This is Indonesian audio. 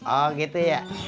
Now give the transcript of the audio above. oh gitu ya